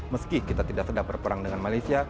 meski kita tidak sedap berperang dengan malaysia